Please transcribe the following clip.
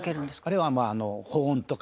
「あれは保温とか」